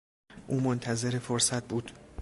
او منتظر فرصت بود.